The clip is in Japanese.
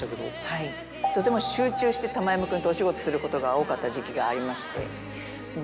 はいとても集中して玉山君とお仕事することが多かった時期がありまして。